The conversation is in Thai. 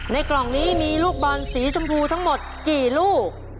กล่องนี้มีลูกบอลสีชมพูทั้งหมดกี่ลูก